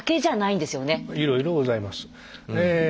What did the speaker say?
いろいろございます。